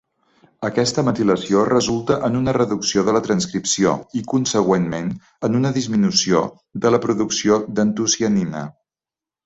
Aquesta metilació resulta en una reducció de la transcripció i, consegüentment, en una disminució de la producció d'antocianina.